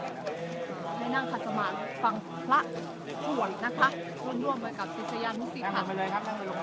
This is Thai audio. มีผู้ที่ได้รับบาดเจ็บและถูกนำตัวส่งโรงพยาบาลเป็นผู้หญิงวัยกลางคน